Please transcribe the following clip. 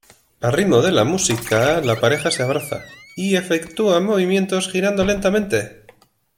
Al ritmo de la música, la pareja se abraza, y efectúa movimientos girando lentamente.